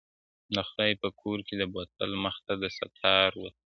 د خدای په کور کي د بوتل مخ ته دستار وتړی,